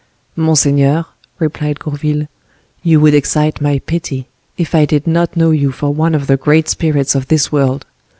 "Monseigneur," replied Gourville, "you would excite my pity, if I did not know you for one of the great spirits of this world.